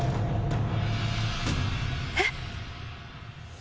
えっ！